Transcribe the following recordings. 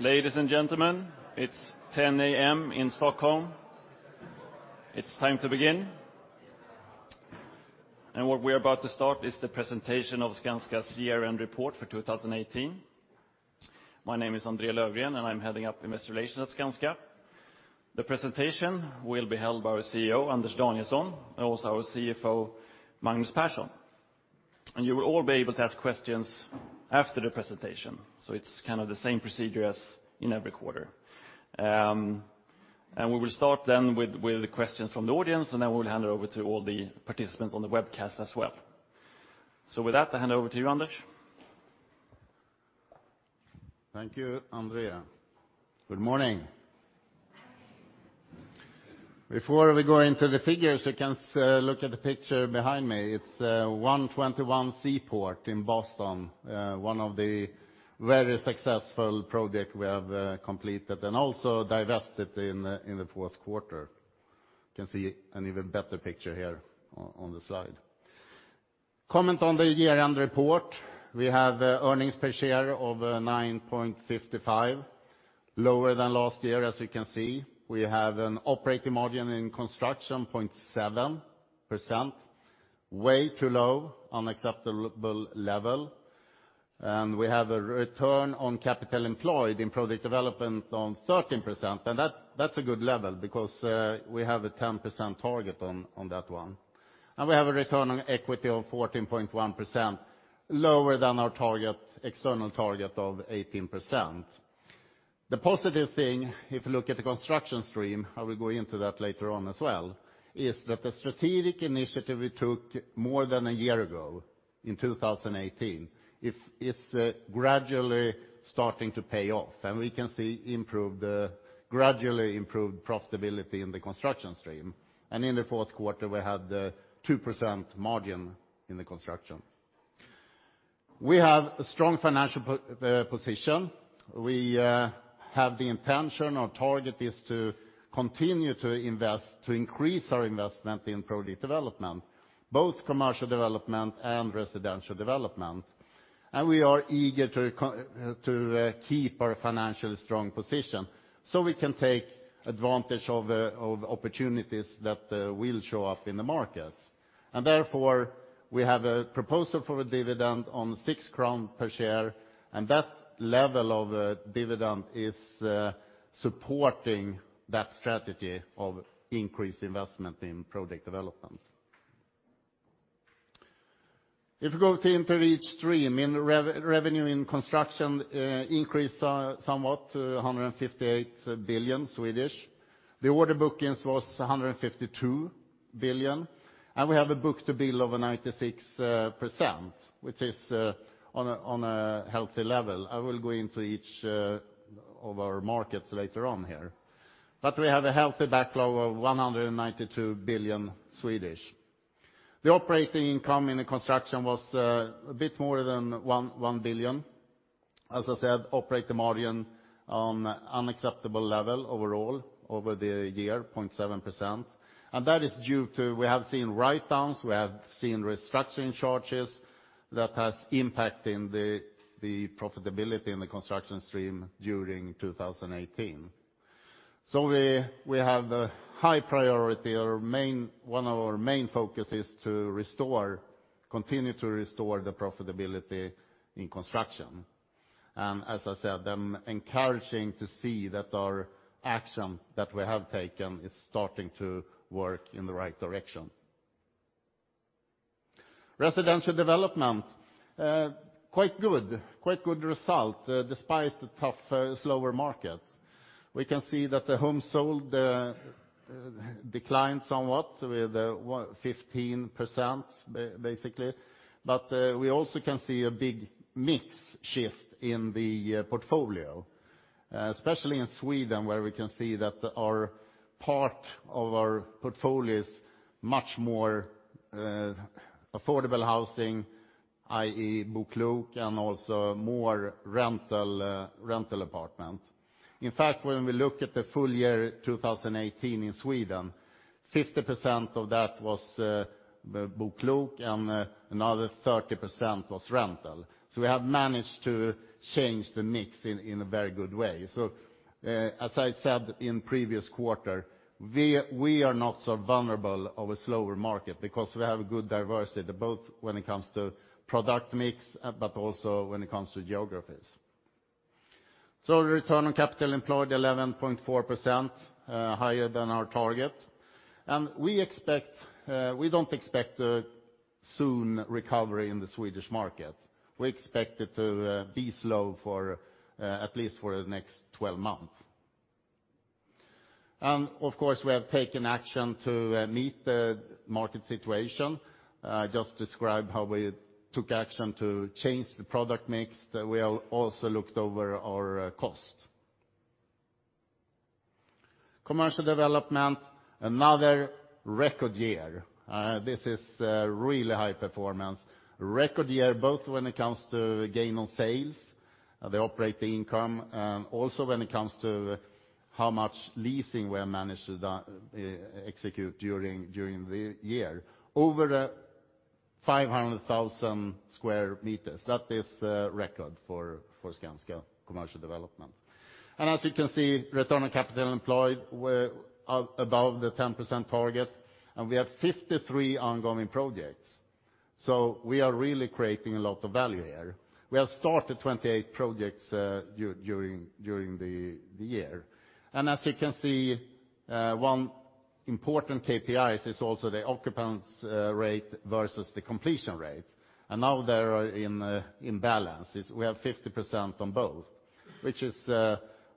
Ladies and gentlemen, it's 10 A.M. in Stockholm. It's time to begin. What we are about to start is the presentation of Skanska's year-end report for 2018. My name is André Löfgren, and I'm heading up investor relations at Skanska. The presentation will be held by our CEO, Anders Danielsson, and also our CFO, Magnus Persson. You will all be able to ask questions after the presentation, so it's kind of the same procedure as in every quarter. And we will start then with the questions from the audience, and then we'll hand it over to all the participants on the webcast as well. With that, I hand over to you, Anders. Thank you, André. Good morning. Good morning! Before we go into the figures, you can look at the picture behind me. It's 121 Seaport in Boston, one of the very successful project we have completed, and also divested in the fourth quarter. You can see an even better picture here on the slide. Comment on the year-end report, we have earnings per share of 9.55, lower than last year, as you can see. We have an operating margin in construction 0.7%, way too low, unacceptable level. We have a return on capital employed in project development on 13%, and that that's a good level because we have a 10% target on that one. We have a return on equity of 14.1%, lower than our target, external target of 18%. The positive thing, if you look at the construction stream, I will go into that later on as well, is that the strategic initiative we took more than a year ago, in 2018, it is gradually starting to pay off, and we can see improved, gradually improved profitability in the construction stream. In the fourth quarter, we had 2% margin in the construction. We have a strong financial position. We have the intention, our target is to continue to invest, to increase our investment in project development, both commercial development and residential development. We are eager to keep our financially strong position, so we can take advantage of opportunities that will show up in the market. Therefore, we have a proposal for a dividend on 6 crown per share, and that level of dividend is supporting that strategy of increased investment in project development. If you go into each stream, in revenue in construction increase somewhat to 158 billion. The order bookings was 152 billion, and we have a book-to-bill of 96%, which is on a healthy level. I will go into each of our markets later on here. But we have a healthy backlog of 192 billion. The operating income in the construction was a bit more than 1 billion. As I said, operating margin on unacceptable level overall, over the year, 0.7%. That is due to, we have seen write-downs, we have seen restructuring charges that has impact in the, the profitability in the construction stream during 2018. So we have a high priority, our main, one of our main focus is to restore, continue to restore the profitability in construction. And as I said, I'm encouraging to see that our action that we have taken is starting to work in the right direction. Residential development, quite good, quite good result, despite the tough, slower markets. We can see that the homes sold, declined somewhat with, what, 15%, basically. But we also can see a big mix shift in the portfolio, especially in Sweden, where we can see that our part of our portfolio is much more affordable housing, i.e., BoKlok, and also more rental rental apartment. In fact, when we look at the full year 2018 in Sweden, 50% of that was BoKlok, and another 30% was rental. So we have managed to change the mix in a very good way. So as I said in previous quarter, we are not so vulnerable of a slower market because we have a good diversity, both when it comes to product mix, but also when it comes to geographies. So return on capital employed 11.4%, higher than our target. And we expect, we don't expect a soon recovery in the Swedish market. We expect it to be slow for at least the next 12 months. And, of course, we have taken action to meet the market situation. I just described how we took action to change the product mix. We have also looked over our cost. Commercial development, another record year. This is really high performance. Record year, both when it comes to gain on sales, the operating income, and also when it comes to how much leasing we have managed to do execute during the year. Over 500,000 square meters. That is record for Skanska commercial development. And as you can see, return on capital employed, we're above the 10% target, and we have 53 ongoing projects. So we are really creating a lot of value here. We have started 28 projects during the year. And as you can see, one important KPI is also the occupancy rate versus the completion rate. And now they are in balance. It's we have 50% on both, which is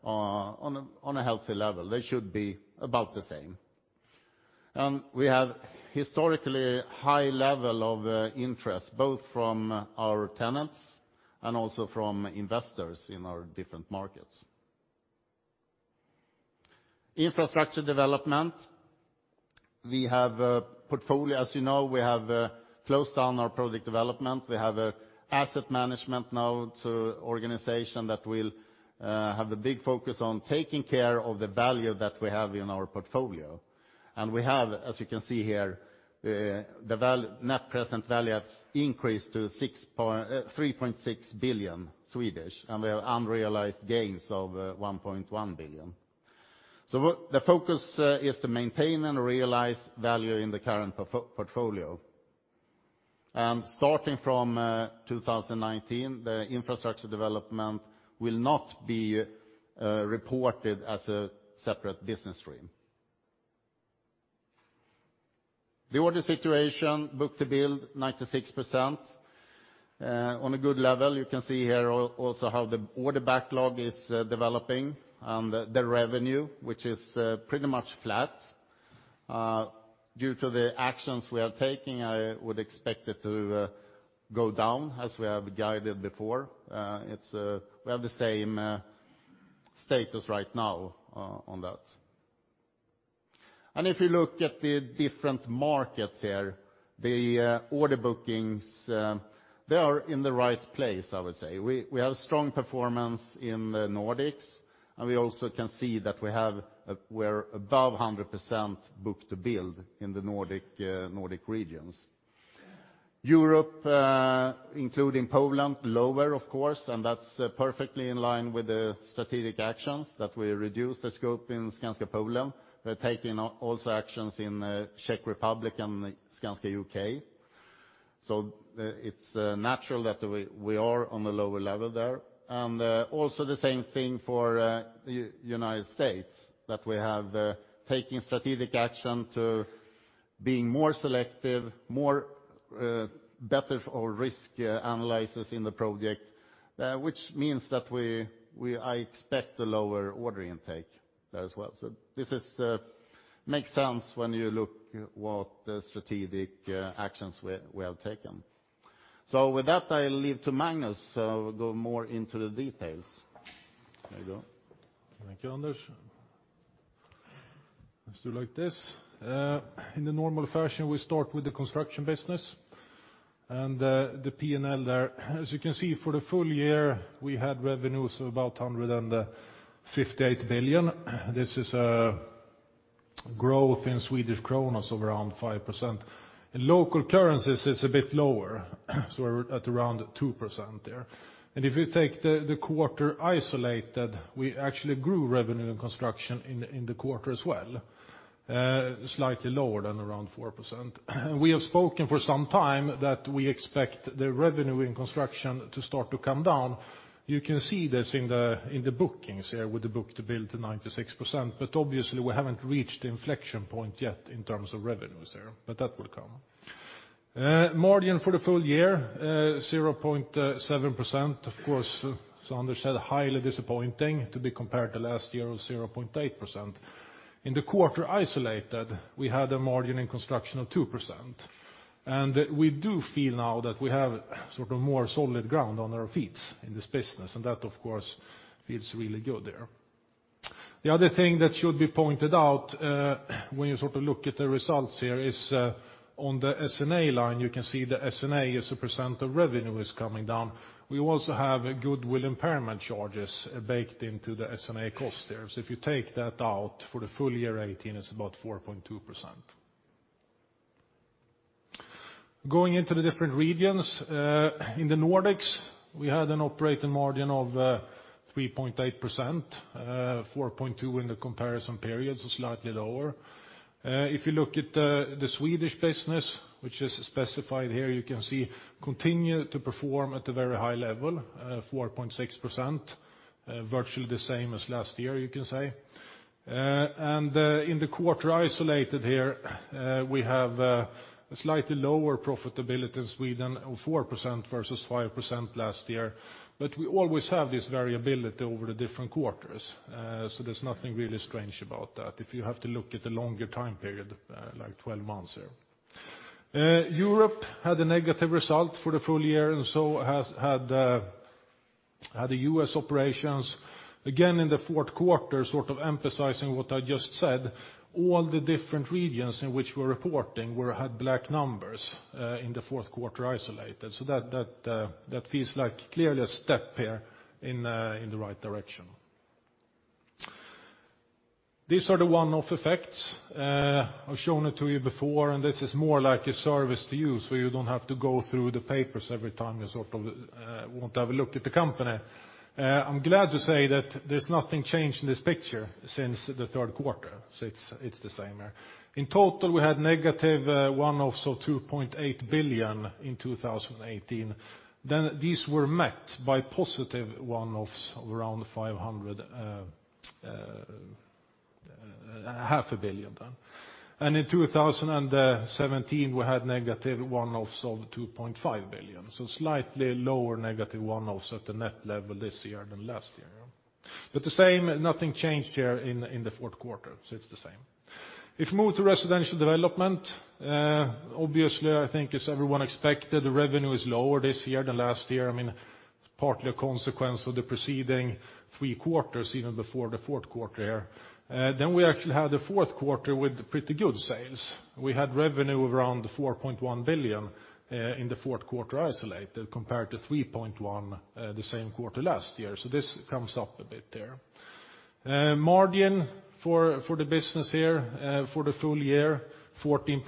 on a healthy level. They should be about the same. And we have historically high level of interest, both from our tenants and also from investors in our different markets. Infrastructure development, we have a portfolio. As you know, we have closed down our project development. We have an asset management organization now that will have the big focus on taking care of the value that we have in our portfolio. We have, as you can see here, the net present value has increased to 3.6 billion, and we have unrealized gains of 1.1 billion. The focus is to maintain and realize value in the current portfolio. Starting from 2019, the infrastructure development will not be reported as a separate business stream. The order situation, book-to-bill 96%, on a good level. You can see here also how the order backlog is developing, and the revenue, which is pretty much flat. Due to the actions we are taking, I would expect it to go down as we have guided before. It's... We have the same status right now on that. If you look at the different markets here, the order bookings, they are in the right place, I would say. We have strong performance in the Nordics, and we also can see that we have, we're above 100% book-to-bill in the Nordic regions. Europe, including Poland, lower of course, and that's perfectly in line with the strategic actions, that we reduce the scope in Skanska Poland. We're taking also actions in Czech Republic and Skanska U.K. So, it's natural that we are on a lower level there. And also the same thing for United States, that we have taken strategic action to being more selective, more better for risk analysis in the project, which means that we I expect a lower order intake there as well. So this is, makes sense when you look what the strategic, actions we, we have taken. So with that, I leave to Magnus, so go more into the details. There you go. Thank you, Anders. Let's do like this. In the normal fashion, we start with the construction business and the P&L there. As you can see, for the full year, we had revenues of about 158 billion. This is a growth in Swedish kronor of around 5%. In local currencies, it's a bit lower, so we're at around 2% there. And if you take the quarter isolated, we actually grew revenue and construction in the quarter as well, slightly lower than around 4%. We have spoken for some time that we expect the revenue in construction to start to come down. You can see this in the bookings here, with the book-to-bill at 96%, but obviously, we haven't reached inflection point yet in terms of revenues there, but that will come. Margin for the full year, 0.7%, of course, so Anders said, highly disappointing to be compared to last year of 0.8%. In the quarter isolated, we had a margin in construction of 2%, and we do feel now that we have sort of more solid ground on our feet in this business, and that, of course, feels really good there. The other thing that should be pointed out, when you sort of look at the results here is, on the S&A line, you can see the S&A as a percent of revenue is coming down. We also have a goodwill impairment charges baked into the S&A cost there. So if you take that out for the full year 2018, it's about 4.2%. Going into the different regions, in the Nordics, we had an operating margin of 3.8%, 4.2% in the comparison period, so slightly lower. If you look at the Swedish business, which is specified here, you can see continue to perform at a very high level, 4.6%, virtually the same as last year, you can say. In the quarter isolated here, we have a slightly lower profitability in Sweden, of 4% versus 5% last year. But we always have this variability over the different quarters, so there's nothing really strange about that, if you have to look at the longer time period, like 12 months here. Europe had a negative result for the full year, and so has had the U.S. operations. Again, in the fourth quarter, sort of emphasizing what I just said, all the different regions in which we're reporting were had black numbers in the fourth quarter isolated. So that feels like clearly a step here in the right direction. These are the one-off effects. I've shown it to you before, and this is more like a service to you, so you don't have to go through the papers every time you sort of want to have a look at the company. I'm glad to say that there's nothing changed in this picture since the third quarter, so it's the same here. In total, we had negative one-offs of 2.8 billion in 2018. Then these were met by positive one-offs of around 0.5 billion then. In 2017, we had negative one-offs of 2.5 billion, so slightly lower negative one-offs at the net level this year than last year, yeah. But the same, nothing changed here in the fourth quarter, so it's the same. If you move to residential development, obviously, I think as everyone expected, the revenue is lower this year than last year. I mean, partly a consequence of the preceding three quarters, even before the fourth quarter here. Then we actually had the fourth quarter with pretty good sales. We had revenue around 4.1 billion in the fourth quarter isolated, compared to 3.1 billion the same quarter last year. So this comes up a bit there. Margin for the business here for the full year, 14%.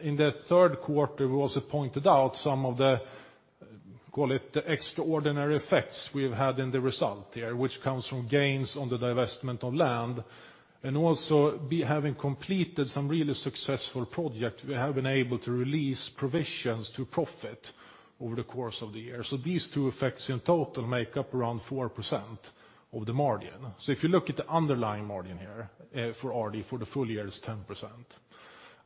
In the third quarter, we also pointed out some of the, call it, the extraordinary effects we've had in the result here, which comes from gains on the divestment of land, and also we having completed some really successful project, we have been able to release provisions to profit over the course of the year. So these two effects in total make up around 4% of the margin. So if you look at the underlying margin here, for RD for the full year is 10%.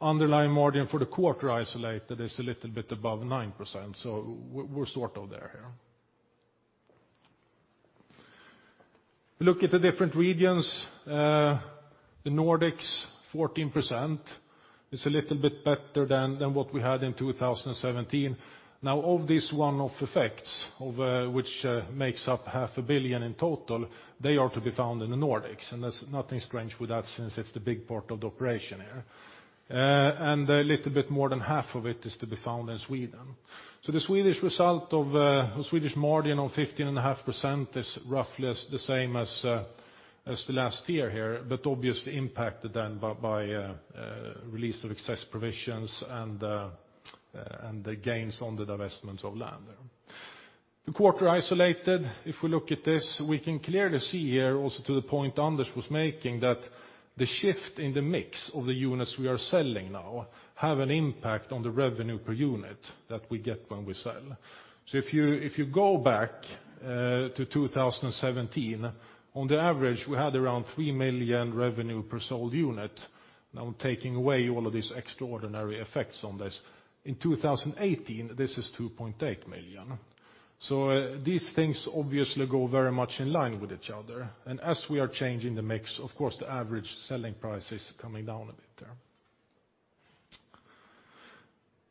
Underlying margin for the quarter isolated is a little bit above 9%, so we're, we're sort of there here. Look at the different regions, the Nordics, 14%. It's a little bit better than, than what we had in 2017. Now, of these one-off effects, of which makes up half a billion in total, they are to be found in the Nordics, and there's nothing strange with that since it's the big part of the operation here. And a little bit more than half of it is to be found in Sweden. So the Swedish result of the Swedish margin of 15.5% is roughly the same as the last year here, but obviously impacted then by release of excess provisions and the gains on the divestment of land. The quarter isolated, if we look at this, we can clearly see here, also to the point Anders was making, that the shift in the mix of the units we are selling now have an impact on the revenue per unit that we get when we sell. So if you, if you go back to 2017, on the average, we had around 3 million revenue per sold unit. Now, I'm taking away all of these extraordinary effects on this. In 2018, this is 2.8 million. So these things obviously go very much in line with each other. And as we are changing the mix, of course, the average selling price is coming down a bit there.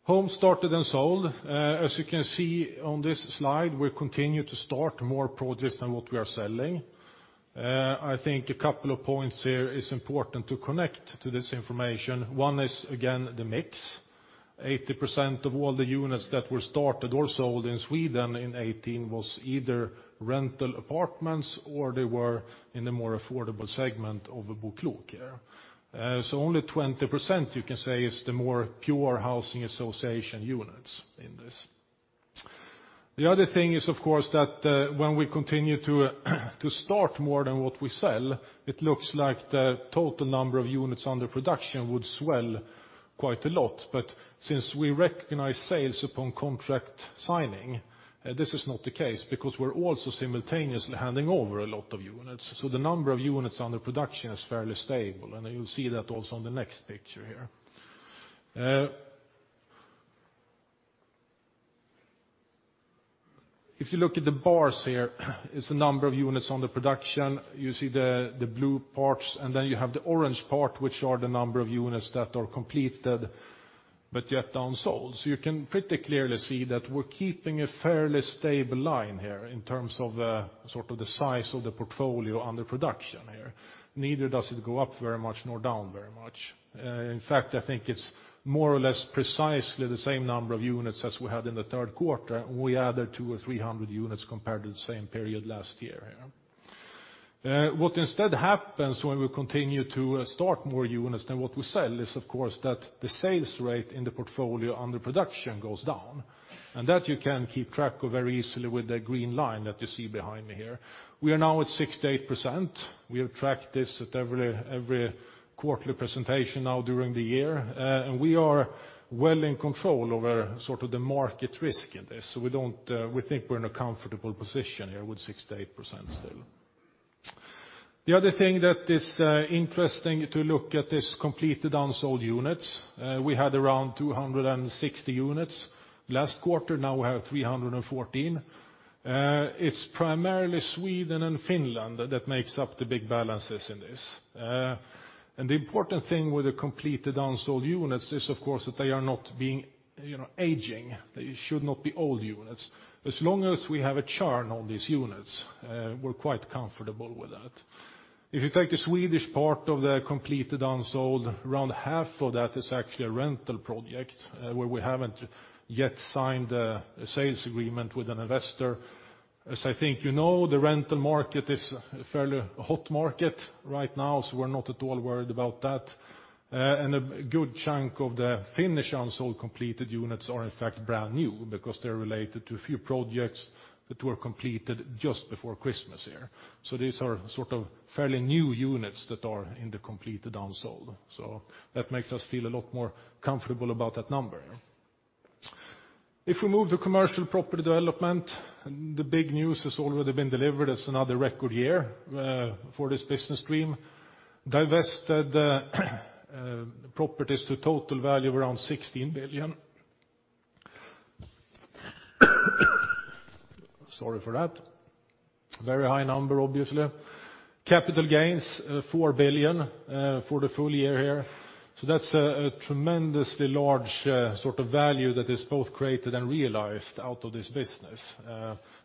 Home started and sold. As you can see on this slide, we continue to start more projects than what we are selling. I think a couple of points here is important to connect to this information. One is, again, the mix. 80% of all the units that were started or sold in Sweden in 2018 was either rental apartments or they were in a more affordable segment of a BoKlok here. So only 20%, you can say, is the more pure housing association units in this. The other thing is, of course, that when we continue to start more than what we sell, it looks like the total number of units under production would swell quite a lot. But since we recognize sales upon contract signing, this is not the case, because we're also simultaneously handing over a lot of units. So the number of units under production is fairly stable, and you'll see that also on the next picture here. If you look at the bars here, it's the number of units on the production. You see the blue parts, and then you have the orange part, which are the number of units that are completed, but yet unsold. So you can pretty clearly see that we're keeping a fairly stable line here in terms of, sort of the size of the portfolio under production here. Neither does it go up very much nor down very much. In fact, I think it's more or less precisely the same number of units as we had in the third quarter. We added 200 or 300 units compared to the same period last year here. What instead happens when we continue to start more units than what we sell is, of course, that the sales rate in the portfolio under production goes down, and that you can keep track of very easily with the green line that you see behind me here. We are now at 68%. We have tracked this at every quarterly presentation now during the year, and we are well in control over sort of the market risk in this. So we don't. We think we're in a comfortable position here with 68% still. The other thing that is interesting to look at is completed unsold units. We had around 260 units last quarter, now we have 314. It's primarily Sweden and Finland that makes up the big balances in this. And the important thing with the completed unsold units is, of course, that they are not being, you know, aging. They should not be old units. As long as we have a churn on these units, we're quite comfortable with that. If you take the Swedish part of the completed unsold, around half of that is actually a rental project, where we haven't yet signed a sales agreement with an investor. As I think you know, the rental market is a fairly hot market right now, so we're not at all worried about that. And a good chunk of the Finnish unsold completed units are, in fact, brand new because they're related to a few projects that were completed just before Christmas here. So these are sort of fairly new units that are in the completed unsold. So that makes us feel a lot more comfortable about that number. If we move to commercial property development, the big news has already been delivered. It's another record year, for this business stream. Divested properties to total value of around 16 billion. Sorry for that. Very high number, obviously. Capital gains 4 billion for the full year here. So that's a tremendously large sort of value that is both created and realized out of this business.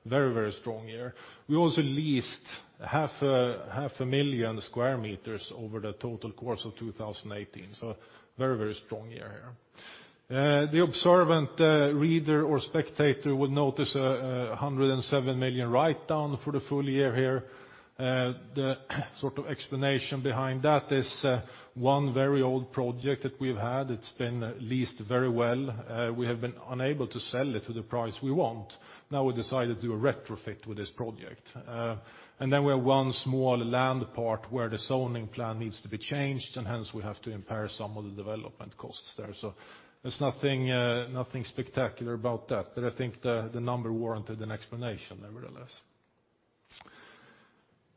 Very, very strong year. We also leased half a million square meters over the total course of 2018, so very, very strong year here. The observant reader or spectator will notice a 107 million write-down for the full year here. The sort of explanation behind that is one very old project that we've had. It's been leased very well. We have been unable to sell it to the price we want. Now we decided to do a retrofit with this project. And then we have one small land part where the zoning plan needs to be changed, and hence, we have to impair some of the development costs there. So there's nothing, nothing spectacular about that, but I think the, the number warranted an explanation nevertheless.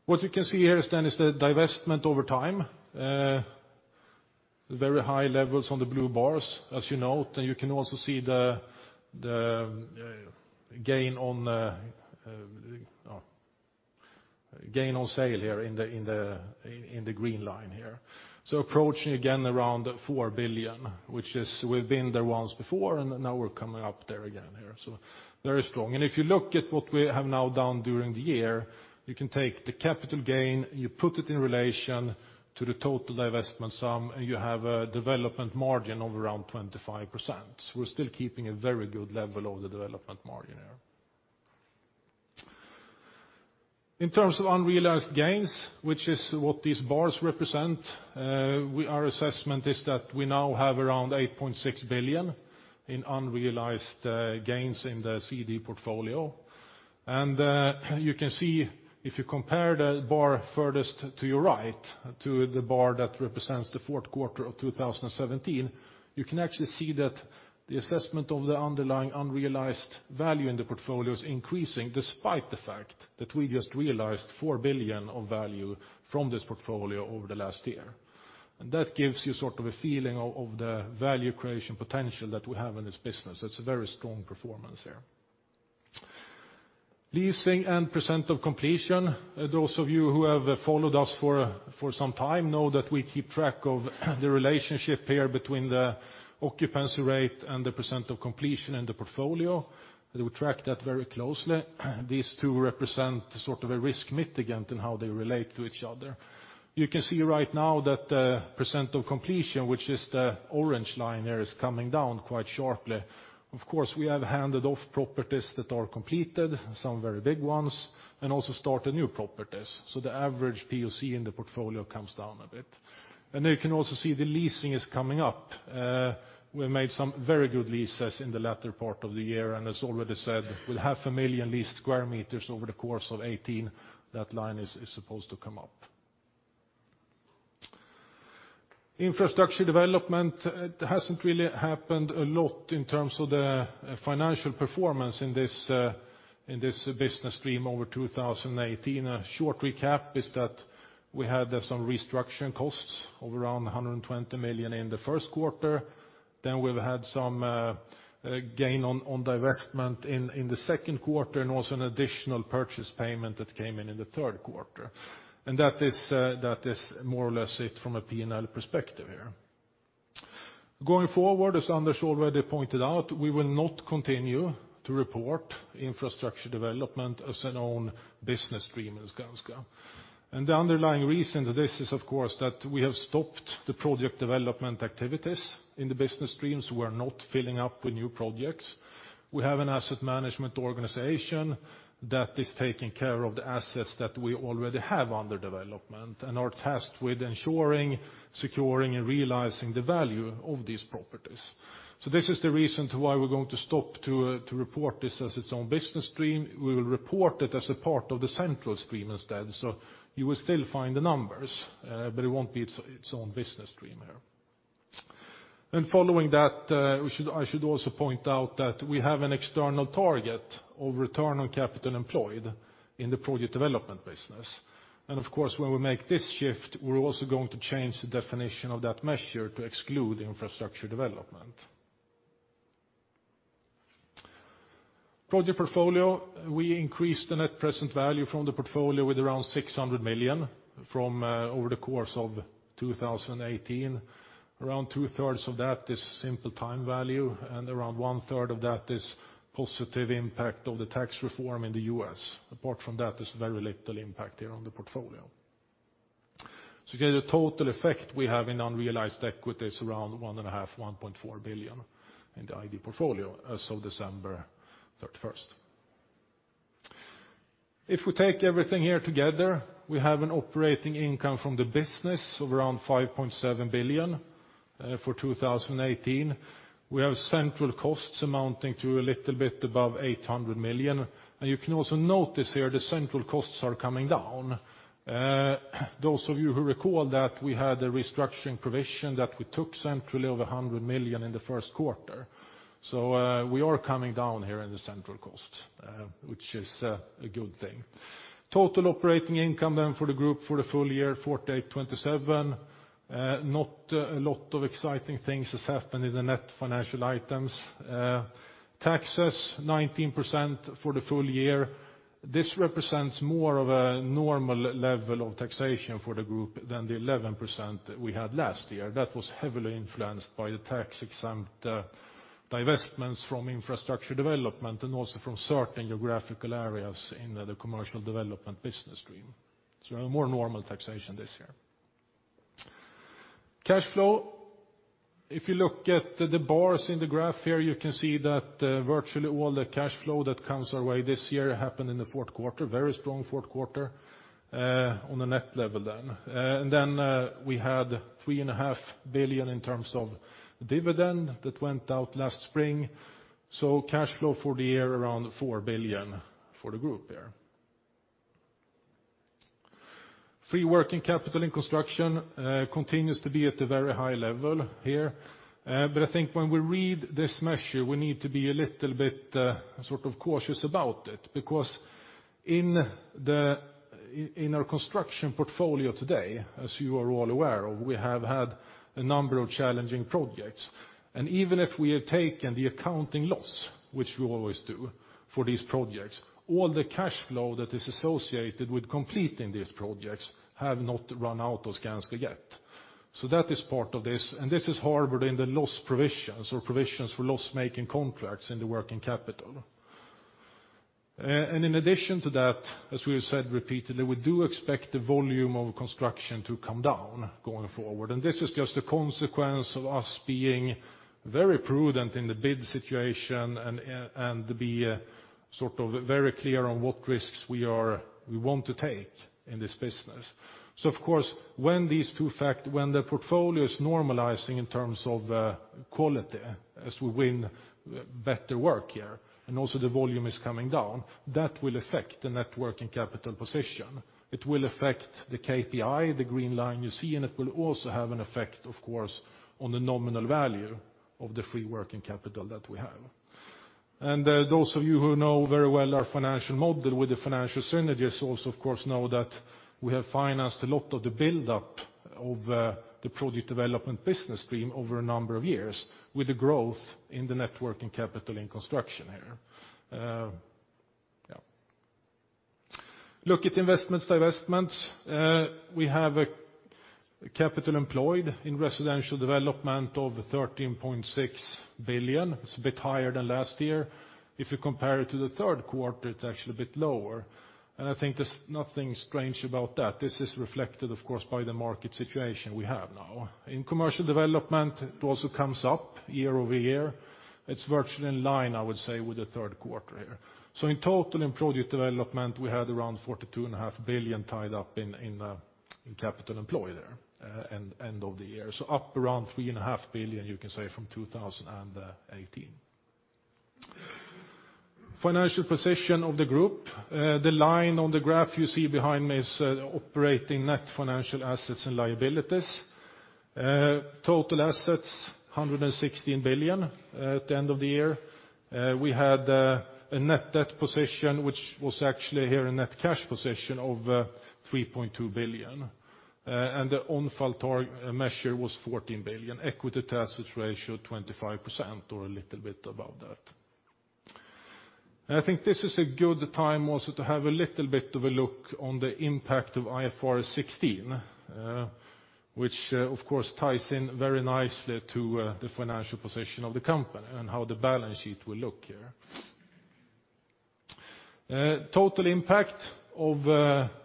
What you can see here then is the divestment over time. Very high levels on the blue bars, as you note, and you can also see the, the, gain on, gain on sale here in the, in the, in the green line here. So approaching again around 4 billion, which is we've been there once before, and now we're coming up there again here, so very strong. If you look at what we have now done during the year, you can take the capital gain, you put it in relation to the total divestment sum, and you have a development margin of around 25%. We're still keeping a very good level of the development margin here. In terms of unrealized gains, which is what these bars represent, our assessment is that we now have around 8.6 billion in unrealized gains in the CD portfolio. And you can see if you compare the bar furthest to your right, to the bar that represents the fourth quarter of 2017, you can actually see that the assessment of the underlying unrealized value in the portfolio is increasing, despite the fact that we just realized 4 billion of value from this portfolio over the last year. That gives you sort of a feeling of, of the value creation potential that we have in this business. That's a very strong performance here. Leasing and percent of completion. Those of you who have followed us for, for some time know that we keep track of the relationship here between the occupancy rate and the percent of completion in the portfolio. We track that very closely. These two represent sort of a risk mitigant in how they relate to each other. You can see right now that the percent of completion, which is the orange line there, is coming down quite sharply. Of course, we have handed off properties that are completed, some very big ones, and also started new properties. So the average POC in the portfolio comes down a bit. And you can also see the leasing is coming up. We made some very good leases in the latter part of the year, and as already said, with 500,000 leased square meters over the course of 2018, that line is supposed to come up. Infrastructure development, it hasn't really happened a lot in terms of the financial performance in this business stream over 2018. A short recap is that we had some restructuring costs of around 120 million in the first quarter. Then we've had some gain on divestment in the second quarter, and also an additional purchase payment that came in in the third quarter. That is more or less it from a P&L perspective here. Going forward, as Anders already pointed out, we will not continue to report infrastructure development as an own business stream in Skanska. The underlying reason to this is, of course, that we have stopped the project development activities in the business streams. We're not filling up with new projects. We have an asset management organization that is taking care of the assets that we already have under development and are tasked with ensuring, securing, and realizing the value of these properties. So this is the reason to why we're going to stop to, to report this as its own business stream. We will report it as a part of the central stream instead, so you will still find the numbers, but it won't be its, its own business stream here. And following that, we should... I should also point out that we have an external target of return on capital employed in the project development business. And of course, when we make this shift, we're also going to change the definition of that measure to exclude infrastructure development. Project portfolio, we increased the net present value from the portfolio with around 600 million from over the course of 2018. Around two-thirds of that is simple time value, and around one-third of that is positive impact of the tax reform in the U.S. Apart from that, there's very little impact here on the portfolio. So the total effect we have in unrealized equity is around 1.5, 1.4 billion in the ID portfolio as of December 31st. If we take everything here together, we have an operating income from the business of around 5.7 billion for 2018. We have central costs amounting to a little bit above 800 million. You can also notice here, the central costs are coming down. Those of you who recall that we had a restructuring provision that we took centrally over 100 million in the first quarter. So, we are coming down here in the central cost, which is a good thing. Total operating income then for the group for the full year, 4,827 million. Not a lot of exciting things has happened in the net financial items. Taxes, 19% for the full year. This represents more of a normal level of taxation for the group than the 11% we had last year. That was heavily influenced by the tax-exempt, divestments from infrastructure development, and also from certain geographical areas in the commercial development business stream. So a more normal taxation this year. Cash flow, if you look at the bars in the graph here, you can see that virtually all the cash flow that comes our way this year happened in the fourth quarter, very strong fourth quarter on the net level then. And then we had 3.5 billion in terms of dividend that went out last spring. So cash flow for the year, around 4 billion for the group there. Free working capital in construction continues to be at a very high level here. But I think when we read this measure, we need to be a little bit sort of cautious about it. Because in our construction portfolio today, as you are all aware of, we have had a number of challenging projects. And even if we have taken the accounting loss, which we always do for these projects, all the cash flow that is associated with completing these projects have not run out of Skanska yet. So that is part of this, and this is harbored in the loss provisions or provisions for loss-making contracts in the working capital. And in addition to that, as we have said repeatedly, we do expect the volume of construction to come down, going forward. And this is just a consequence of us being very prudent in the bid situation and A and B, sort of very clear on what risks we want to take in this business. So of course, when the portfolio is normalizing in terms of quality, as we win better work here, and also the volume is coming down, that will affect the net working capital position. It will affect the KPI, the green line you see, and it will also have an effect, of course, on the nominal value of the free working capital that we have. And those of you who know very well our financial model with the financial synergies also, of course, know that we have financed a lot of the build-up of the project development business stream over a number of years, with the growth in the net working capital in construction here. Yeah. Look at investments, divestments. We have a capital employed in residential development of 13.6 billion. It's a bit higher than last year. If you compare it to the third quarter, it's actually a bit lower, and I think there's nothing strange about that. This is reflected, of course, by the market situation we have now. In commercial development, it also comes up year-over-year. It's virtually in line, I would say, with the third quarter here. So in total, in project development, we had around 42.5 billion tied up in capital employed there end of the year. So up around 3.5 billion, you can say, from 2018. Financial position of the group. The line on the graph you see behind me is operating net financial assets and liabilities. Total assets, 116 billion at the end of the year. We had a net debt position, which was actually here a net cash position of 3.2 billion. The Onfal target measure was 14 billion. Equity to assets ratio, 25%, or a little bit above that. I think this is a good time also to have a little bit of a look on the impact of IFRS 16, which, of course, ties in very nicely to the financial position of the company and how the balance sheet will look here. Total impact of IFRS 16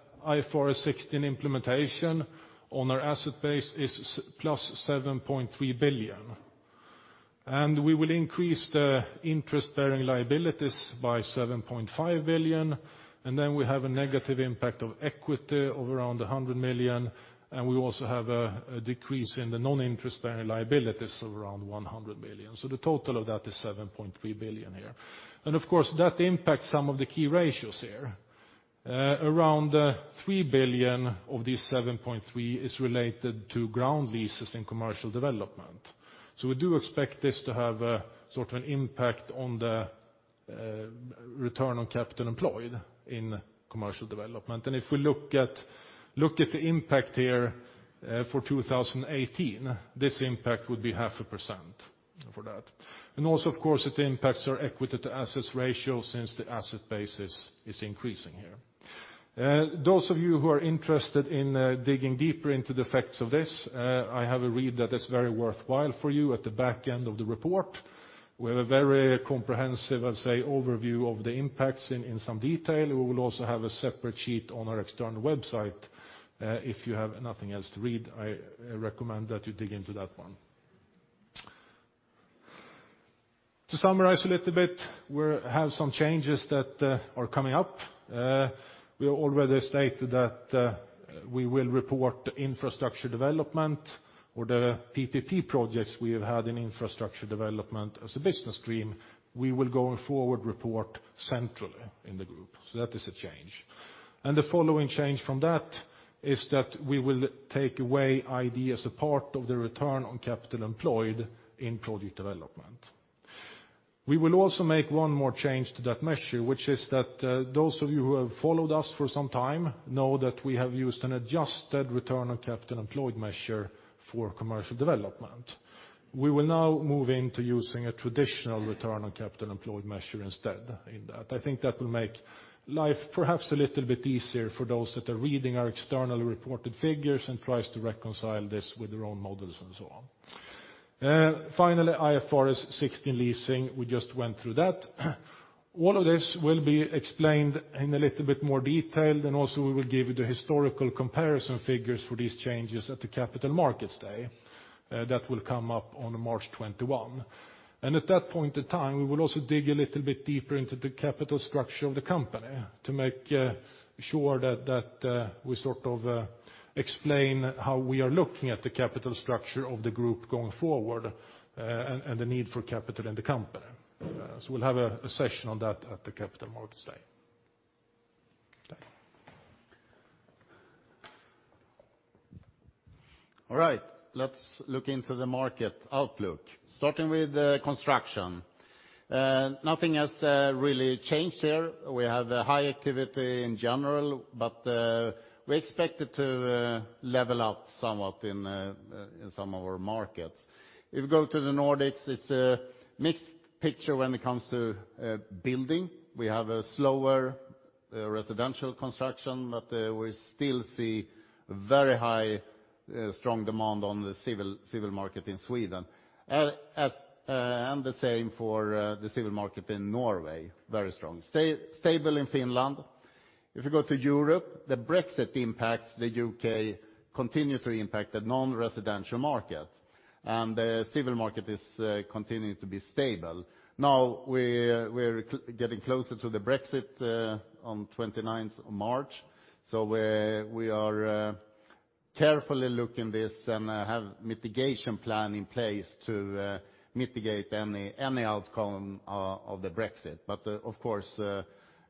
implementation on our asset base is +7.3 billion. We will increase the interest-bearing liabilities by 7.5 billion, and then we have a negative impact of equity of around 100 million, and we also have a decrease in the non-interest-bearing liabilities of around 100 million. So the total of that is 7.3 billion here. And of course, that impacts some of the key ratios here. Around 3 billion of these 7.3 is related to ground leases and commercial development. So we do expect this to have a sort of an impact on the return on capital employed in commercial development. And if we look at the impact here for 2018, this impact would be 0.5% for that. And also, of course, it impacts our equity to assets ratio since the asset base is increasing here. Those of you who are interested in digging deeper into the effects of this, I have a read that is very worthwhile for you at the back end of the report. We have a very comprehensive, I'll say, overview of the impacts in some detail. We will also have a separate sheet on our external website. If you have nothing else to read, I recommend that you dig into that one... To summarize a little bit, we have some changes that are coming up. We have already stated that we will report infrastructure development or the PPP projects we have had in infrastructure development as a business stream; we will go and forward report centrally in the group. So that is a change. The following change from that is that we will take away ID as a part of the Return on Capital Employed in project development. We will also make one more change to that measure, which is that, those of you who have followed us for some time know that we have used an adjusted Return on Capital Employed measure for commercial development. We will now move into using a traditional Return on Capital Employed measure instead in that. I think that will make life perhaps a little bit easier for those that are reading our external reported figures, and tries to reconcile this with their own models, and so on. Finally, IFRS 16 leasing, we just went through that. All of this will be explained in a little bit more detail, then also we will give you the historical comparison figures for these changes at the Capital Markets Day that will come up on March 21. And at that point in time, we will also dig a little bit deeper into the capital structure of the company to make sure that we sort of explain how we are looking at the capital structure of the group going forward, and the need for capital in the company. So we'll have a session on that at the Capital Markets Day. Thank you. All right, let's look into the market outlook. Starting with construction. Nothing has really changed here. We have a high activity in general, but we expect it to level out somewhat in some of our markets. If you go to the Nordics, it's a mixed picture when it comes to building. We have a slower residential construction, but we still see very high strong demand on the civil market in Sweden. And the same for the civil market in Norway, very strong. Stable in Finland. If you go to Europe, the Brexit impacts the U.K. continue to impact the non-residential market, and the civil market is continuing to be stable. Now, we're getting closer to the Brexit on 29th March, so we are carefully looking this, and have mitigation plan in place to mitigate any outcome of the Brexit. But, of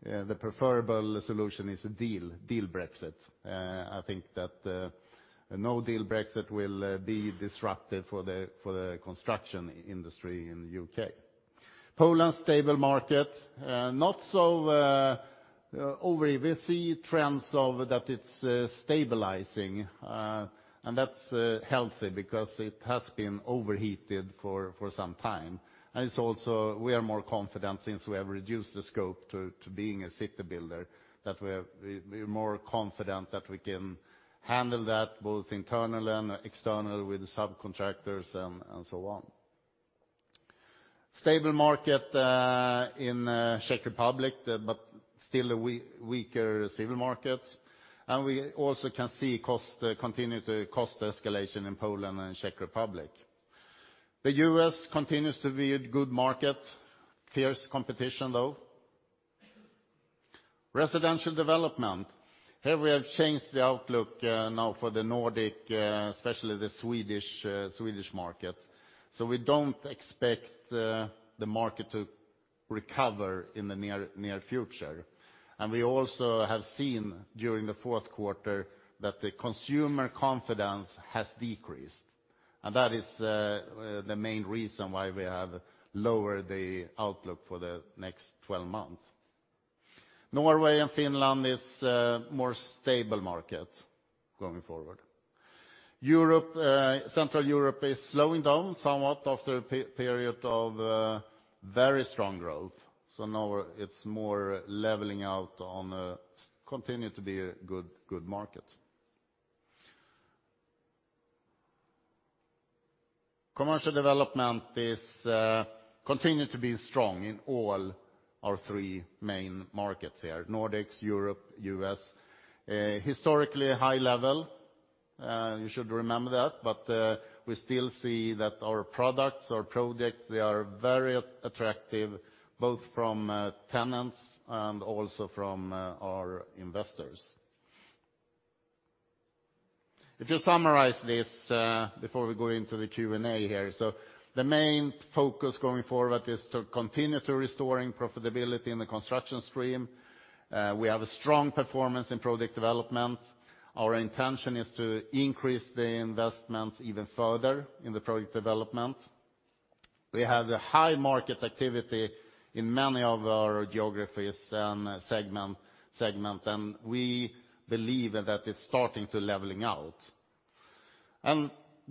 course, the preferable solution is a deal Brexit. I think that no-deal Brexit will be disruptive for the construction industry in the U.K. Poland, stable market, not so over, we see trends of that it's stabilizing. And that's healthy, because it has been overheated for some time. And it's also, we are more confident since we have reduced the scope to being a city builder, that we're more confident that we can handle that, both internally and externally with subcontractors and so on. Stable market in Czech Republic, but still a weaker civil market. And we also can see cost escalation in Poland and Czech Republic. The U.S. continues to be a good market, fierce competition, though. Residential development, here we have changed the outlook now for the Nordic, especially the Swedish market. So we don't expect the market to recover in the near future. And we also have seen during the fourth quarter, that the consumer confidence has decreased, and that is the main reason why we have lowered the outlook for the next 12 months. Norway and Finland is more stable markets going forward. Europe, Central Europe is slowing down somewhat after a period of very strong growth, so now it's more leveling out, continue to be a good market. Commercial development is continue to be strong in all our three main markets here, Nordics, Europe, U.S.. Historically a high level, you should remember that, but we still see that our products, our projects, they are very attractive, both from tenants and also from our investors. If you summarize this before we go into the Q&A here, so the main focus going forward is to continue to restoring profitability in the construction stream. We have a strong performance in project development. Our intention is to increase the investment even further in the project development. We have a high market activity in many of our geographies and segment, and we believe that it's starting to leveling out.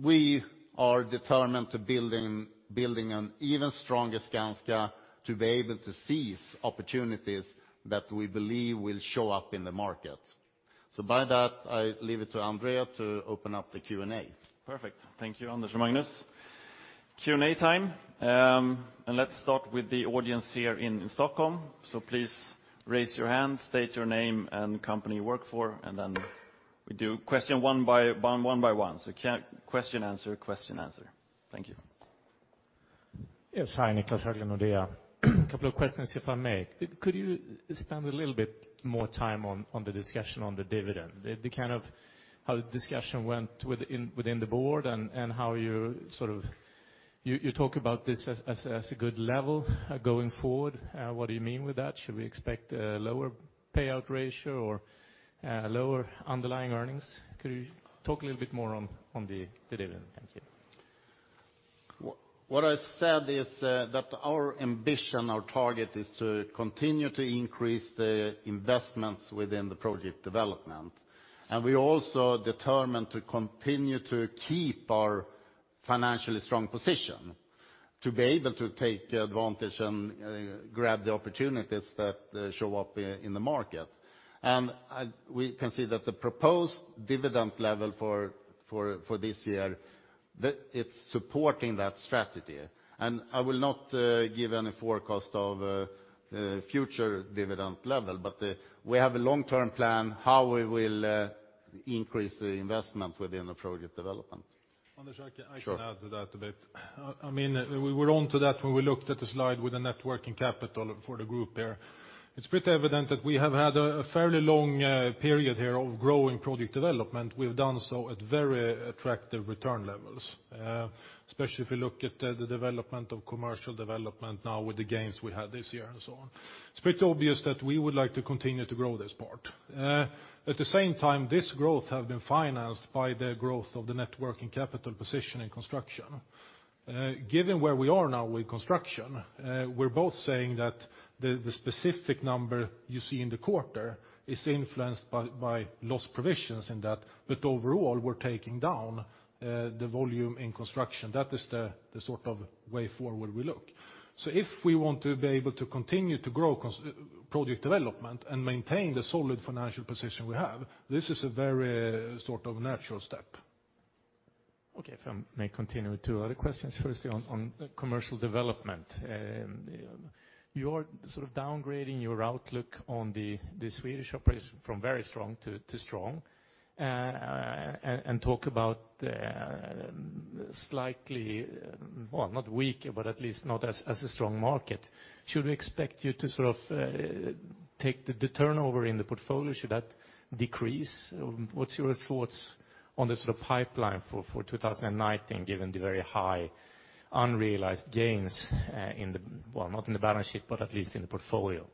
We are determined to building, building an even stronger Skanska, to be able to seize opportunities that we believe will show up in the market. So by that, I leave it to André to open up the Q&A. Perfect. Thank you, Anders and Magnus. Q&A time, and let's start with the audience here in Stockholm. So please raise your hand, state your name and company you work for, and then-... We do question one by one, one by one. So question, answer, question, answer. Thank you. Yes, hi, Niclas Höglund, Nordea. A couple of questions, if I may. Could you spend a little bit more time on the discussion on the dividend? The kind of how the discussion went within the board and how you sort of... You talk about this as a good level going forward. What do you mean with that? Should we expect a lower payout ratio or lower underlying earnings? Could you talk a little bit more on the dividend? Thank you. What I said is that our ambition, our target, is to continue to increase the investments within the project development. And we also determined to continue to keep our financially strong position, to be able to take advantage and grab the opportunities that show up in the market. And we can see that the proposed dividend level for this year, it's supporting that strategy. And I will not give any forecast of future dividend level, but we have a long-term plan how we will increase the investment within the project development. Anders, I can- Sure. I can add to that a bit. I mean, we were on to that when we looked at the slide with the net working capital for the group there. It's pretty evident that we have had a fairly long period here of growing project development. We've done so at very attractive return levels. Especially if you look at the development of commercial development now with the gains we had this year, and so on. It's pretty obvious that we would like to continue to grow this part. At the same time, this growth have been financed by the growth of the net working capital position in construction. Given where we are now with construction, we're both saying that the specific number you see in the quarter is influenced by loss provisions in that, but overall, we're taking down the volume in construction. That is the sort of way forward we look. So if we want to be able to continue to grow project development and maintain the solid financial position we have, this is a very, sort of, natural step. Okay, if I may continue with two other questions. Firstly, on commercial development. You're sort of downgrading your outlook on the Swedish operation from very strong to strong, and talk about slightly, well, not weaker, but at least not as a strong market. Should we expect you to sort of take the turnover in the portfolio, should that decrease? What's your thoughts on the sort of pipeline for 2019, given the very high unrealized gains in the... Well, not in the balance sheet, but at least in the portfolio?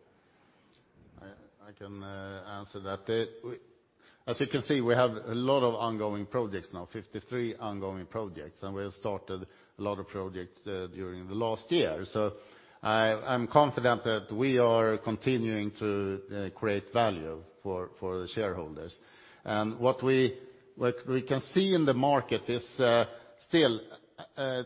I can answer that. As you can see, we have a lot of ongoing projects now, 53 ongoing projects, and we have started a lot of projects during the last year. So I'm confident that we are continuing to create value for the shareholders. And what we can see in the market is still a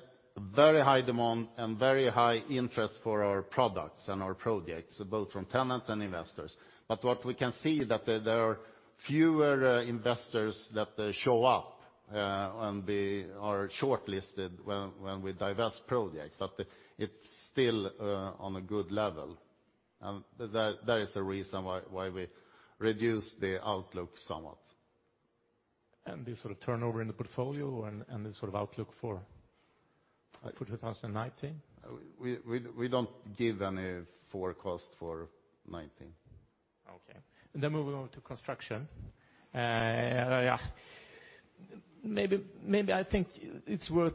very high demand and very high interest for our products and our projects, both from tenants and investors. But what we can see that there are fewer investors that show up and are shortlisted when we divest projects, but it's still on a good level. And that is the reason why we reduced the outlook somewhat. And the sort of turnover in the portfolio and the sort of outlook for 2019? We don't give any forecast for 2019. Okay. Then moving on to construction. Yeah, maybe, maybe I think it's worth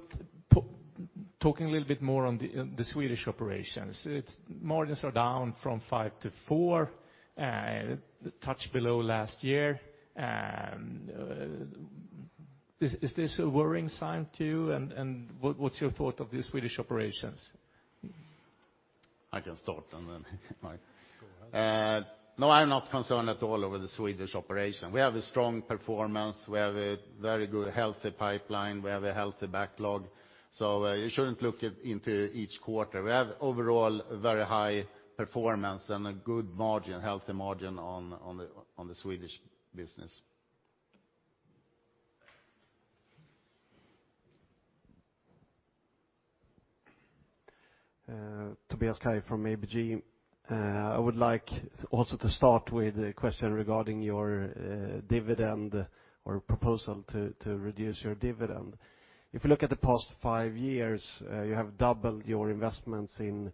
talking a little bit more on the, on the Swedish operations. Its margins are down from 5%-4%, a touch below last year. Is this a worrying sign to you? And what's your thought of the Swedish operations? I can start and then Mike. No, I'm not concerned at all over the Swedish operation. We have a strong performance, we have a very good, healthy pipeline, we have a healthy backlog, so you shouldn't look it into each quarter. We have overall a very high performance and a good margin, healthy margin on the Swedish business. Tobias Kaj from ABG. I would like also to start with a question regarding your dividend or proposal to reduce your dividend. If you look at the past five years, you have doubled your investments in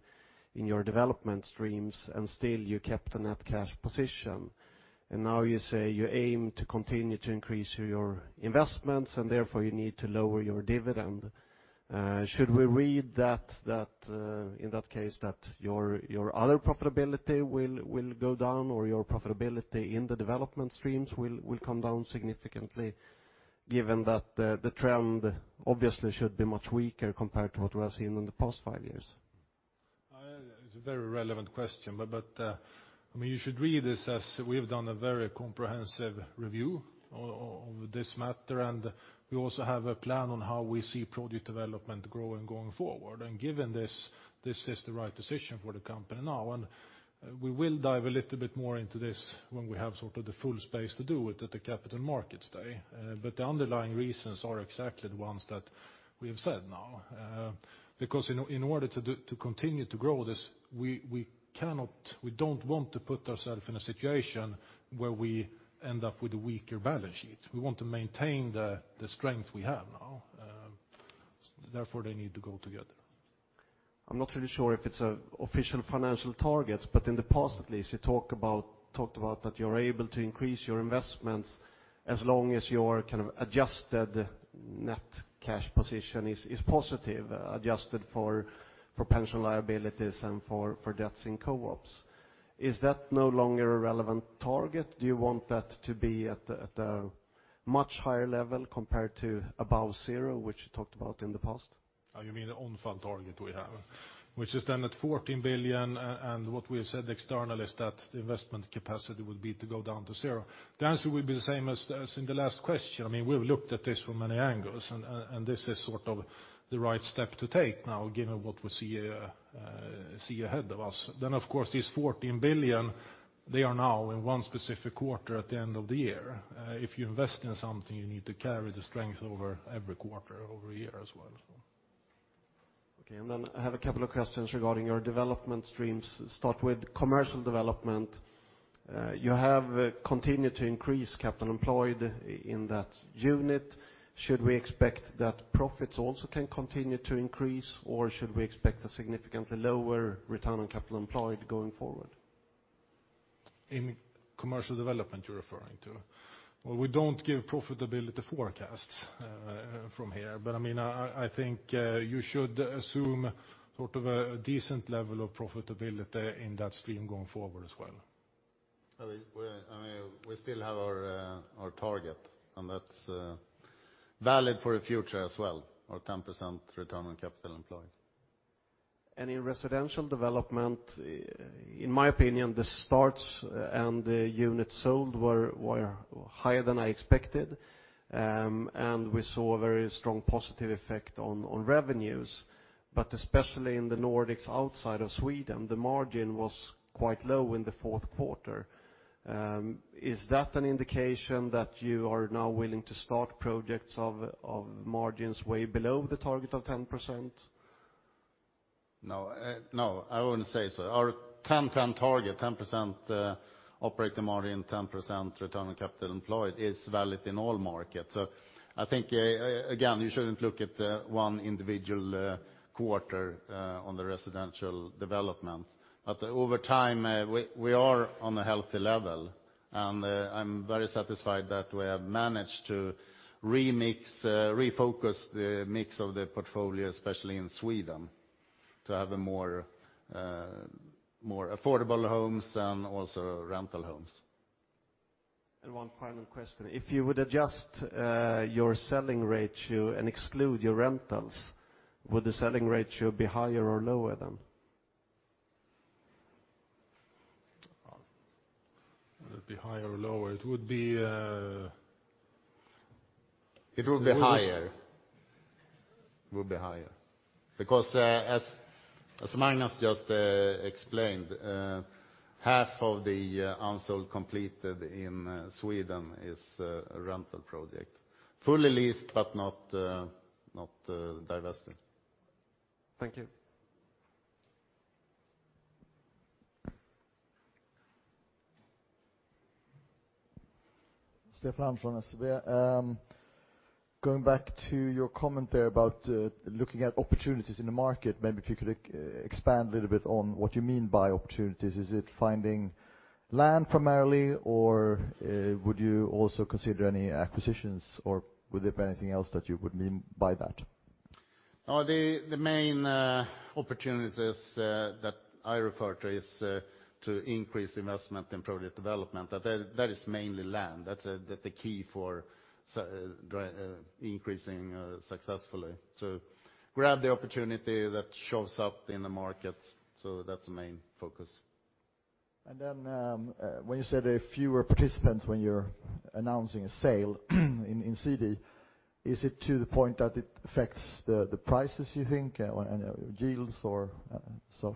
your development streams, and still you kept a net cash position. And now you say you aim to continue to increase your investments, and therefore, you need to lower your dividend. Should we read that in that case that your other profitability will go down, or your profitability in the development streams will come down significantly, given that the trend obviously should be much weaker compared to what we have seen in the past five years? It's a very relevant question, but, but, I mean, you should read this as we have done a very comprehensive review of this matter, and we also have a plan on how we see project development growing going forward. And given this, this is the right decision for the company now, and we will dive a little bit more into this when we have sort of the full space to do it at the Capital Markets Day. But the underlying reasons are exactly the ones that we have said now. Because in order to do, to continue to grow this, we cannot, we don't want to put ourselves in a situation where we end up with a weaker balance sheet. We want to maintain the strength we have now. Therefore, they need to go together. I'm not really sure if it's official financial targets, but in the past at least, you talked about that you're able to increase your investments as long as your kind of adjusted net cash position is positive, adjusted for pension liabilities and for debts in co-ops. Is that no longer a relevant target? Do you want that to be at a much higher level compared to above zero, which you talked about in the past? Ah, you mean the Onfal target we have? Which is then at 14 billion, and what we have said externally is that the investment capacity would be to go down to zero. The answer would be the same as in the last question. I mean, we've looked at this from many angles, and this is sort of the right step to take now, given what we see ahead of us. Then, of course, this 14 billion, they are now in one specific quarter at the end of the year. If you invest in something, you need to carry the strength over every quarter, over a year as well, so. Okay, and then I have a couple of questions regarding your development streams. Start with commercial development. You have continued to increase capital employed in that unit. Should we expect that profits also can continue to increase, or should we expect a significantly lower return on capital employed going forward? In commercial development, you're referring to? Well, we don't give profitability forecasts from here, but, I mean, I think you should assume sort of a decent level of profitability in that stream going forward as well. I mean, we, I mean, we still have our, our target, and that's valid for the future as well, our 10% return on capital employed. In residential development, in my opinion, the starts and the units sold were higher than I expected. And we saw a very strong positive effect on revenues, but especially in the Nordics outside of Sweden, the margin was quite low in the fourth quarter. Is that an indication that you are now willing to start projects of margins way below the target of 10%? No, no, I wouldn't say so. Our 10, 10 target, 10% operating margin, 10% return on capital employed, is valid in all markets. So I think, again, you shouldn't look at the one individual quarter on the residential development. But over time, we, we are on a healthy level, and, I'm very satisfied that we have managed to remix, refocus the mix of the portfolio, especially in Sweden, to have a more, more affordable homes and also rental homes. One final question: If you would adjust your selling ratio and exclude your rentals, would the selling ratio be higher or lower then? Well, would it be higher or lower? It would be, It would be higher. It would be higher. Because, as Magnus just explained, half of the unsold completed in Sweden is a rental project. Fully leased, but not divested. Thank you. Stefan from, SEB. Going back to your comment there about looking at opportunities in the market, maybe if you could expand a little bit on what you mean by opportunities. Is it finding land primarily, or would you also consider any acquisitions, or would there be anything else that you would mean by that? Oh, the main opportunities is that I refer to is to increase investment in project development. That is, that is mainly land. That's the key for increasing successfully. So grab the opportunity that shows up in the market, so that's the main focus. And then, when you said there are fewer participants when you're announcing a sale in CD, is it to the point that it affects the prices, you think, or any yields or so?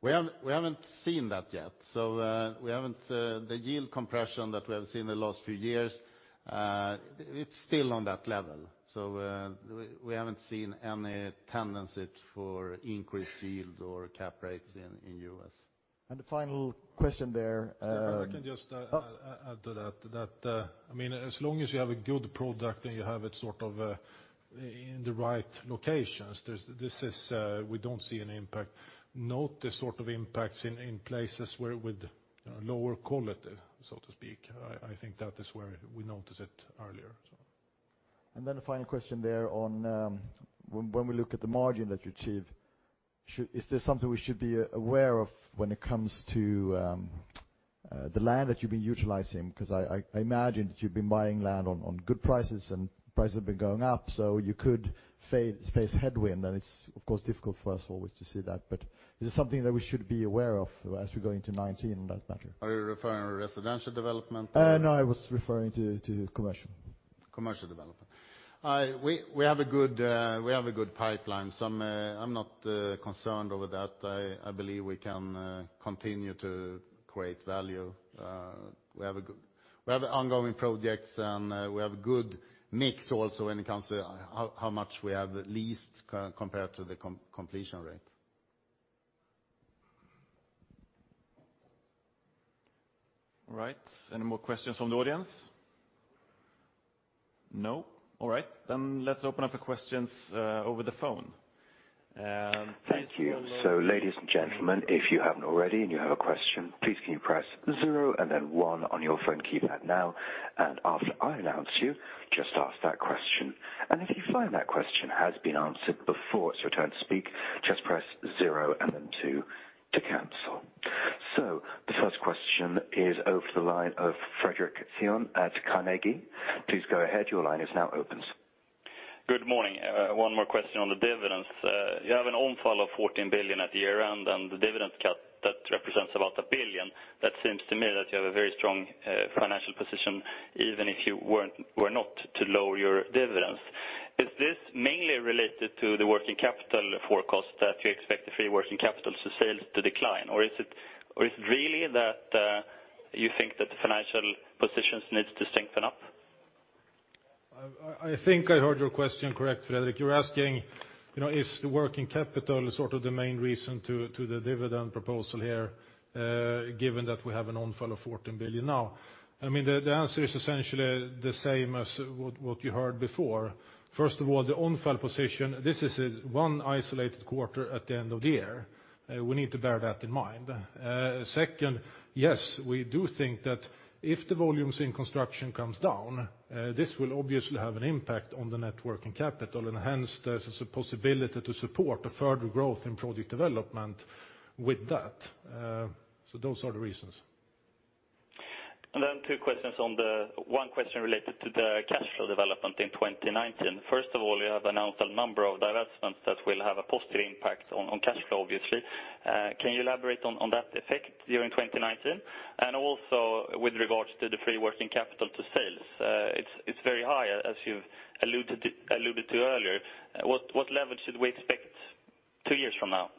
We haven't seen that yet, so we haven't. The yield compression that we have seen in the last few years, it's still on that level. So, we haven't seen any tendency for increased yield or cap rates in U.S. The final question there, If I can just- Oh... add to that, that, I mean, as long as you have a good product and you have it sort of in the right locations, there's, this is, we don't see any impact. Note the sort of impacts in places where with lower quality, so to speak, I think that is where we noticed it earlier, so. And then a final question there on, when, when we look at the margin that you achieve, is there something we should be aware of when it comes to, the land that you've been utilizing? Because I, I, I imagine that you've been buying land on, on good prices, and prices have been going up, so you could face, face headwind. And it's, of course, difficult for us always to see that, but is it something that we should be aware of as we go into 2019, in that matter? Are you referring to residential development or? No, I was referring to commercial. Commercial development. We have a good pipeline, so I'm not concerned over that. I believe we can continue to create value. We have ongoing projects, and we have a good mix also when it comes to how much we have leased compared to the completion rate.... All right, any more questions from the audience? No. All right, then let's open up the questions over the phone. Please hold on. Thank you. So ladies and gentlemen, if you haven't already, and you have a question, please can you press zero and then one on your phone keypad now, and after I announce you, just ask that question. And if you find that question has been answered before it's your turn to speak, just press zero and then two to cancel. So the first question is over the line of Fredric Cyon at Carnegie. Please go ahead. Your line is now open. Good morning. One more question on the dividends. You have an Onfal of 14 billion at year-end, and the dividend cut that represents about 1 billion. That seems to me that you have a very strong financial position, even if you weren't, were not to lower your dividends. Is this mainly related to the working capital forecast, that you expect the free working capital to sales to decline? Or is it, or is it really that you think that the financial positions needs to strengthen up? I think I heard your question correctly, Fredric. You're asking, you know, is the working capital sort of the main reason to the dividend proposal here, given that we have an Onfal of 14 billion now? I mean, the answer is essentially the same as what you heard before. First of all, the Onfal position, this is one isolated quarter at the end of the year. We need to bear that in mind. Second, yes, we do think that if the volumes in construction comes down, this will obviously have an impact on the net working capital, and hence, there's a possibility to support a further growth in project development with that. So those are the reasons. And then two questions on the... One question related to the cash flow development in 2019. First of all, you have announced a number of divestments that will have a positive impact on cash flow, obviously. Can you elaborate on that effect during 2019? And also with regards to the free working capital to sales, it's very high, as you've alluded to earlier. What level should we expect two years from now?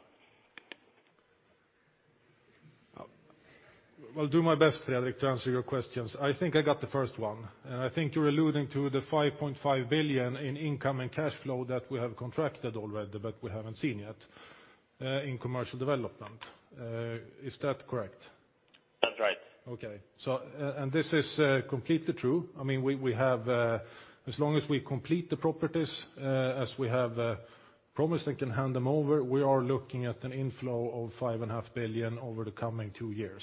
I'll do my best, Fredric, to answer your questions. I think I got the first one, and I think you're alluding to the 5.5 billion in income and cash flow that we have contracted already, but we haven't seen yet in commercial development. Is that correct? That's right. Okay. So, and this is completely true. I mean, we have, as long as we complete the properties, as we have promised and can hand them over, we are looking at an inflow of 5.5 billion over the coming two years.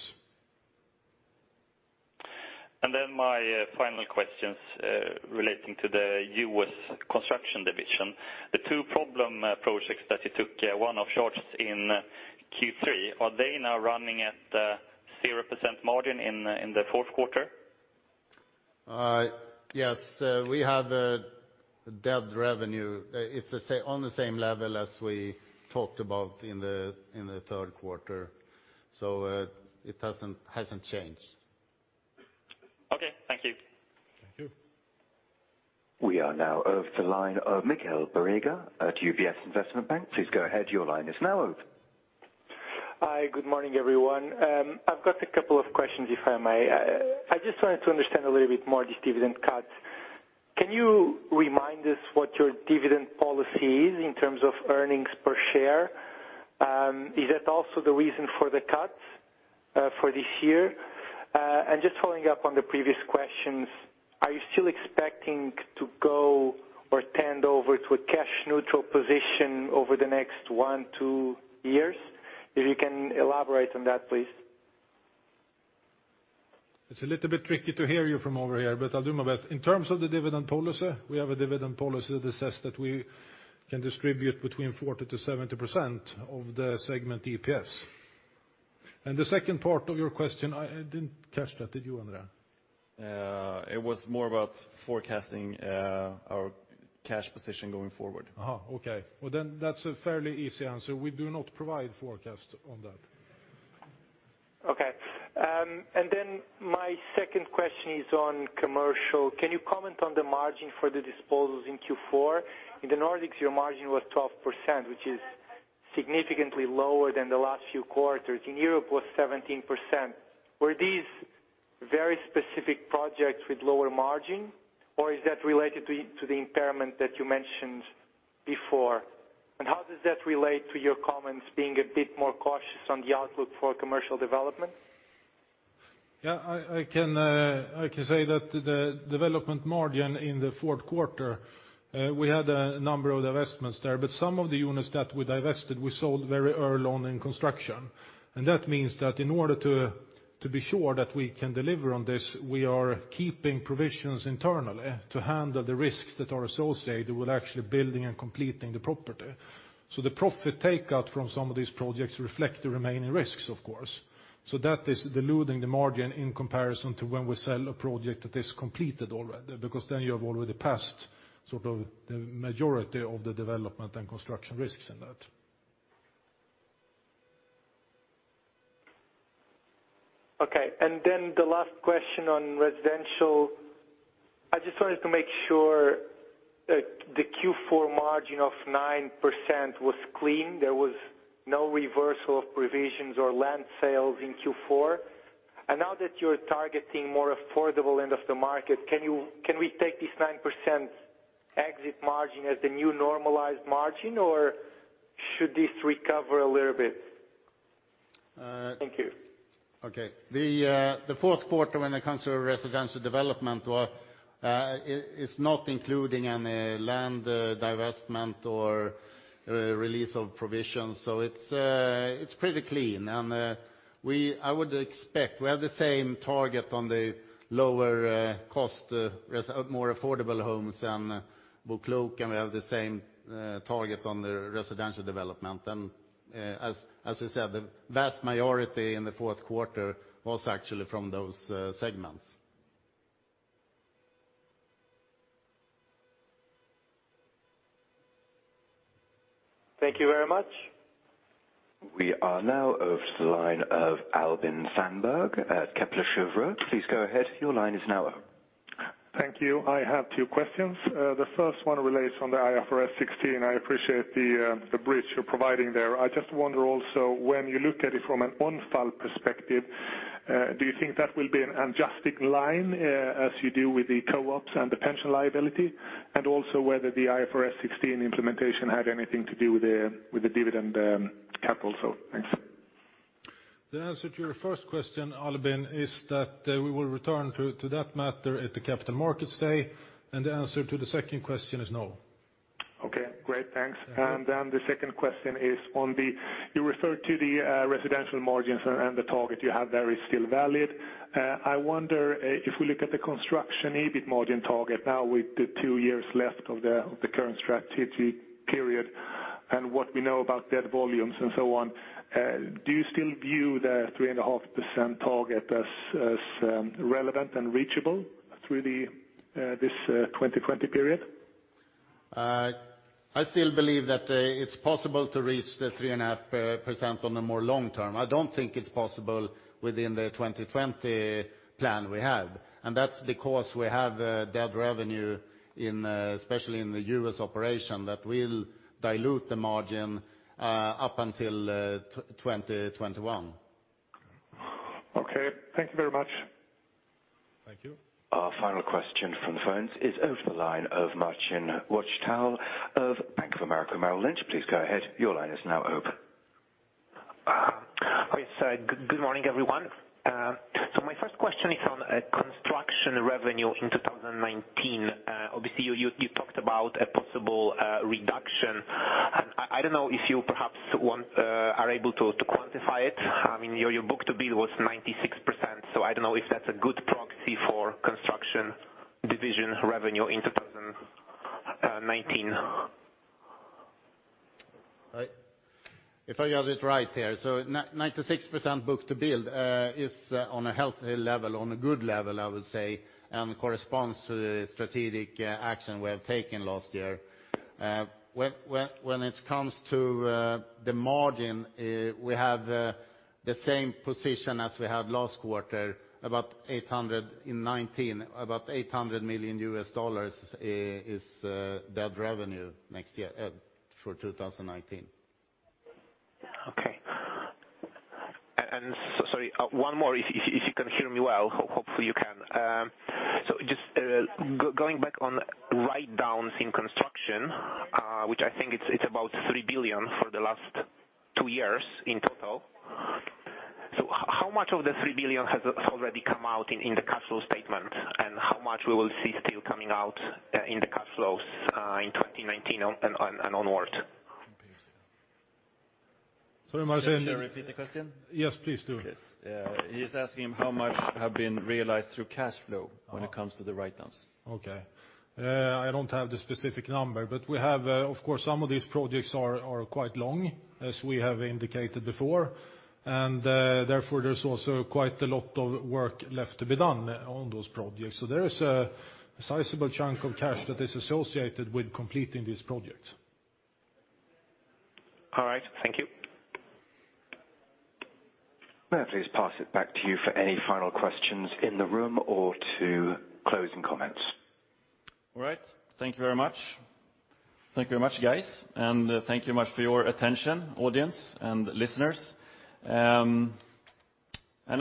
And then my final questions relating to the U.S. construction division. The two problem projects that you took write-offs in Q3, are they now running at 0% margin in the fourth quarter? Yes. We have a net revenue. It's the same, on the same level as we talked about in the third quarter. So, it doesn't, hasn't changed. Okay. Thank you. Thank you. We are now over to the line of Miguel Borrega at UBS Investment Bank. Please go ahead. Your line is now open. Hi, good morning, everyone. I've got a couple of questions, if I may. I just wanted to understand a little bit more this dividend cut. Can you remind us what your dividend policy is in terms of earnings per share? Is that also the reason for the cut for this year? And just following up on the previous questions, are you still expecting to go or stand over to a cash neutral position over the next one, two years? If you can elaborate on that, please. It's a little bit tricky to hear you from over here, but I'll do my best. In terms of the dividend policy, we have a dividend policy that says that we can distribute between 40%-70% of the segment EPS. The second part of your question, I didn't catch that. Did you, André? It was more about forecasting our cash position going forward. Aha, okay. Well, then that's a fairly easy answer. We do not provide forecast on that. Okay. And then my second question is on commercial. Can you comment on the margin for the disposals in Q4? In the Nordics, your margin was 12%, which is significantly lower than the last few quarters. In Europe, it was 17%. Were these very specific projects with lower margin, or is that related to, to the impairment that you mentioned before? And how does that relate to your comments being a bit more cautious on the outlook for commercial development? Yeah, I can say that the development margin in the fourth quarter, we had a number of divestments there, but some of the units that we divested, we sold very early on in construction. And that means that in order to be sure that we can deliver on this, we are keeping provisions internally to handle the risks that are associated with actually building and completing the property. So the profit take out from some of these projects reflect the remaining risks, of course. So that is diluting the margin in comparison to when we sell a project that is completed already, because then you have already passed sort of the majority of the development and construction risks in that. Okay. And then the last question on residential. I just wanted to make sure that the Q4 margin of 9% was clean. There was no reversal of provisions or land sales in Q4. And now that you're targeting more affordable end of the market, can you- can we take this 9% exit margin as the new normalized margin, or... should this recover a little bit? Thank you. Okay. The fourth quarter, when it comes to residential development, well, it's not including any land divestment or release of provisions, so it's pretty clean. And I would expect we have the same target on the lower cost more affordable homes than BoKlok, and we have the same target on the residential development. And as you said, the vast majority in the fourth quarter was actually from those segments. Thank you very much. We are now over to the line of Albin Sandberg at Kepler Cheuvreux. Please go ahead. Your line is now open. Thank you. I have two questions. The first one relates on the IFRS 16. I appreciate the bridge you're providing there. I just wonder also, when you look at it from an Onfal perspective, do you think that will be an adjusting line, as you do with the co-ops and the pension liability? And also whether the IFRS 16 implementation had anything to do with the dividend capital? So thanks. The answer to your first question, Albin, is that we will return to that matter at the Capital Markets Day. The answer to the second question is no. Okay, great, thanks. Mm-hmm. Then the second question is on the residential margins. You referred to the residential margins and the target you have there is still valid. I wonder if we look at the construction EBIT margin target now, with the two years left of the current strategy period, and what we know about debt volumes, and so on, do you still view the 3.5% target as relevant and reachable through this 2020 period? I still believe that it's possible to reach the 3.5% on the more long term. I don't think it's possible within the 2020 plan we have, and that's because we have debt revenue in, especially in the U.S. operation, that will dilute the margin up until 2021. Okay. Thank you very much. Thank you. Our final question from the phones is over the line of Marcin Wojtal of Bank of America Merrill Lynch. Please go ahead. Your line is now open. Yes, good morning, everyone. So my first question is on construction revenue in 2019. Obviously, you talked about a possible reduction. I don't know if you perhaps want are able to quantify it. I mean, your book-to-bill was 96%, so I don't know if that's a good proxy for Construction division revenue in 2019. If I hear it right here, so 96% book-to-bill is on a healthy level, on a good level, I would say, and corresponds to the strategic action we have taken last year. When it comes to the margin, we have the same position as we had last quarter, about 800 in 2019, about $800 million is debt revenue next year, for 2019. Okay. Sorry, one more, if you can hear me well. Hopefully you can. So just going back on write-downs in construction, which I think it's about 3 billion for the last two years in total. So how much of the 3 billion has already come out in the cash flow statement? And how much we will see still coming out in the cash flows in 2019 and onward? Sorry, Marcin- Should I repeat the question? Yes, please do. Yes. He's asking how much have been realized through cash flow- Uh. When it comes to the write-downs. Okay. I don't have the specific number, but we have... Of course, some of these projects are quite long, as we have indicated before. Therefore, there's also quite a lot of work left to be done on those projects. So there is a sizable chunk of cash that is associated with completing these projects. All right. Thank you. May I please pass it back to you for any final questions in the room or to closing comments? All right. Thank you very much. Thank you very much, guys, and thank you much for your attention, audience and listeners. I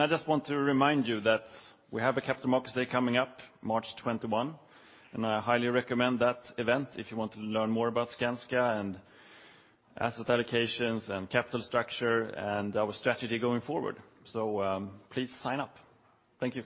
just want to remind you that we have a Capital Markets Day coming up March 21, and I highly recommend that event if you want to learn more about Skanska, and asset allocations, and capital structure, and our strategy going forward. Please sign up. Thank you.